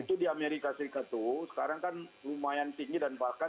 itu di amerika serikat itu sekarang kan lumayan tinggi dan bahkan